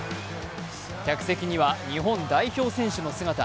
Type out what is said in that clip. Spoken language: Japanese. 客席には日本代表選手の姿。